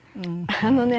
あのね